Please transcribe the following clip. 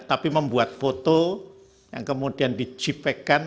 tapi membuat foto yang kemudian dijipekan